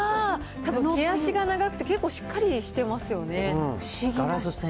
毛足が長くて、結構しっかりしてますよね。